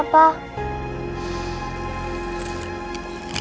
bisa bangun semua